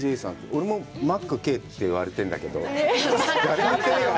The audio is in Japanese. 俺も、マックＫと言われてるんだけど。